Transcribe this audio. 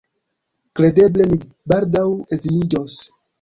Kredeble mi baldaŭ edziniĝos.